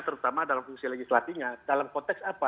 terutama dalam fungsi legislatifnya dalam konteks apa